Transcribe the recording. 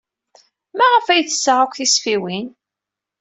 Maɣef ay tessaɣ akk tisfiwin?